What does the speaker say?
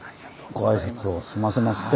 ご挨拶を済ませまして。